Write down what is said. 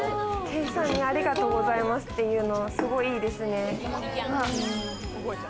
店員さんにありがとうございますっていうのは、すごくいいですね。